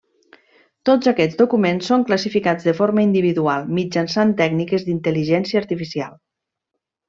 Tots aquests documents són classificats de forma individual mitjançant tècniques d’intel·ligència artificial.